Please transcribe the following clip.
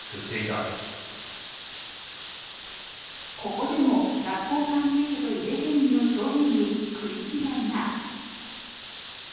ここでも学校関係者と井手県議の証言に食い違いが。